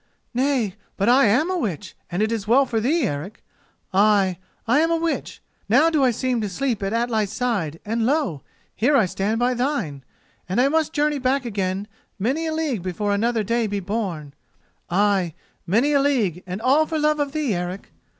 "Nay, but I am a witch, and it is well for thee, Eric. Ay, I am a witch. Now do I seem to sleep at Atli's side, and lo! here I stand by thine, and I must journey back again many a league before another day be born—ay, many a league, and all for love of thee, Eric!